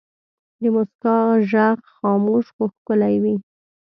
د مسکا ږغ خاموش خو ښکلی وي.